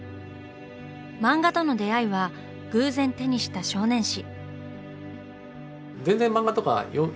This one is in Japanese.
漫画との出会いは偶然手にした少年誌。